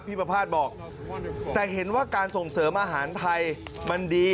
ประภาษณ์บอกแต่เห็นว่าการส่งเสริมอาหารไทยมันดี